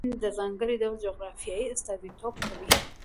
د کابل سیند د ځانګړي ډول جغرافیې استازیتوب کوي.